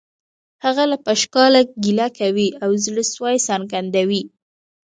هغه له پشکاله ګیله کوي او زړه سوی څرګندوي